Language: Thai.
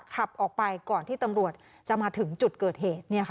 ขับออกไปก่อนที่ตำรวจจะมาถึงจุดเกิดเหตุ